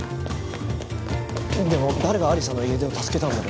でも誰が有沙の家出を助けたんだろう？